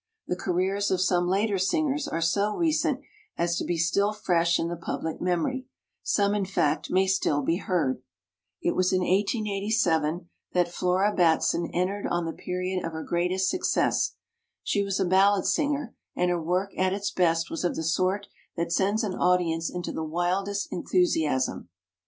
The careers of some later singers are so recent as to be still fresh in the public memory; some in fact may still be he"ard. It was in 1887 that Flora Batson entered on the period of her greatest success. She was a ballad singer and her work at its best was of the sort that sends an audience into the wildest enthusi asm.